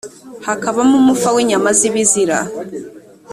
hakabamo umufa w inyama z ibizira